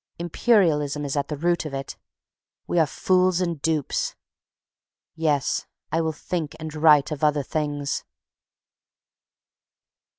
Imperialism is at the root of it. We are fools and dupes. Yes, I will think and write of other things.